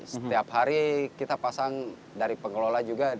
setiap hari kita pasang dari pengelola juga